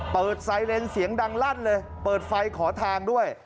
เปิดไซเรนเสียงดังลั่นเลยเปิดไฟขอทางด้วย